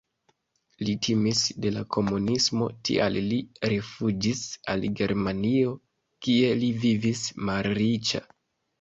Li timis de la komunismo, tial li rifuĝis al Germanio, kie li vivis malriĉa.